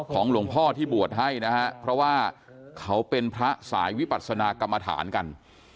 ของหลวงพ่อที่บวชให้นะฮะเพราะว่าเขาเป็นพระสายวิปัศนากรรมฐานกัน